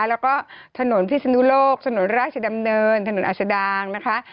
แล้วก็ถนนพิศนุโลกถนนราชดำเนินถนนอัศดางนะคะ